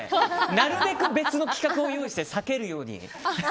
なるべく別の企画を用意して避けるように。